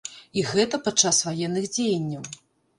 І гэта падчас ваенных дзеянняў!